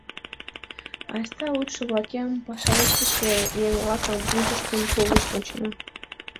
Айста, лудшо-влакем, паша ыштыше еҥ-влакын мутыштым колышт ончена.